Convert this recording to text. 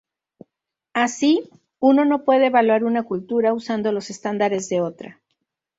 Así, uno no puede evaluar una cultura usando los estándares de otra.